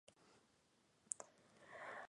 Stephen, New Brunswick y se crió en London, Ontario.